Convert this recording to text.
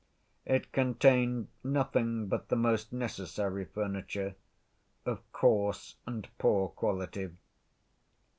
It contained nothing but the most necessary furniture, of coarse and poor quality.